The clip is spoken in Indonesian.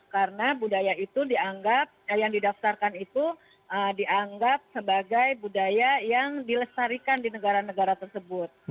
karena budaya itu yang didaftarkan itu dianggap sebagai budaya yang dilestarikan di negara negara tersebut